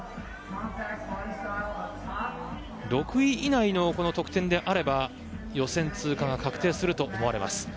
６位以内の得点であれば予選通過が確定すると思われます。